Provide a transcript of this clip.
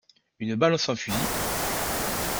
Une balle sans fusil!